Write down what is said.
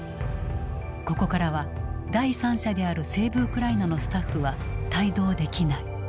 ここからは第三者であるセーブ・ウクライナのスタッフは帯同できない。